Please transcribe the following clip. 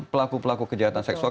pelaku pelaku kejahatan seksual